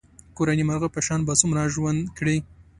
کورني مرغه په شان به څومره ژوند کړې.